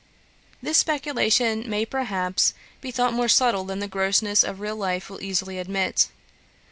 'This speculation may, perhaps, be thought more subtle than the grossness of real life will easily admit.